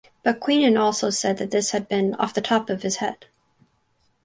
But Queenan also said that this had been "off the top of" his head.